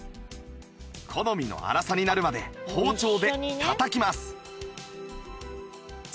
好みの粗さになるまで包丁でたたきます